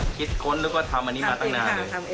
คิดว่าทำอันนี้มาตั้งนานเลย